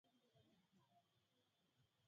watu wanafuga lakini vikoo